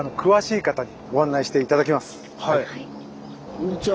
こんにちは。